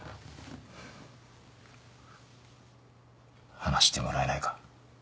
話してもらえないか？